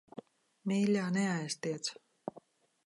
Mīļā, neaiztiec.